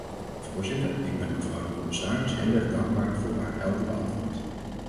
Voorzitter, ik ben mevrouw de commissaris heel erg dankbaar voor haar heldere antwoord.